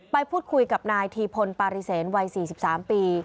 ไปพูดคุยกับนายทีพลปาริเศษวัย๔๓ปี